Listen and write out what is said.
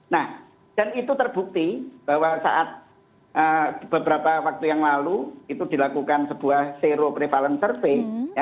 nah dan itu terbukti bahwa saat beberapa waktu yang lalu itu dilakukan sebuah zero prevalent survei